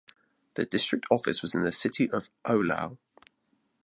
The district office was in the city of Ohlau.